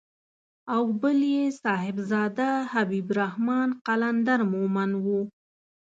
او بل يې صاحبزاده حبيب الرحمن قلندر مومند و.